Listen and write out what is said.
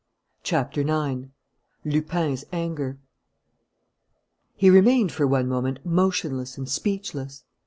CHAPTER NINE LUPIN'S ANGER He remained for one moment motionless and speechless.